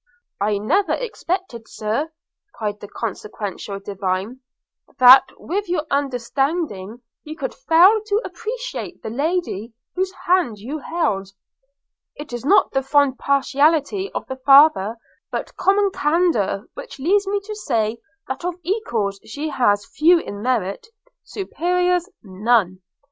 'I never suspected, Sir,' cried the consequential Divine, 'that, with your understanding, you could fail to appreciate the Lady whose hand you held – It is not the fond partiality of the father, but common candour, which leads me to say, that of equals she has few in merit, superiors none.